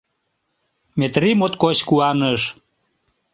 — Метрий моткоч куаныш.